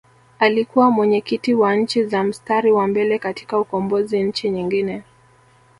Alikuwa mwenyekiti wa Nchi za Mstari wa Mbele katika ukombozi Nchi nyingine